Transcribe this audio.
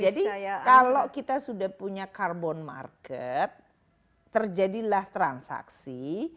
kalau kita sudah punya carbon market terjadilah transaksi